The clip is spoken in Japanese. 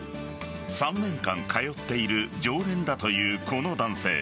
３年間通っている常連だというこの男性。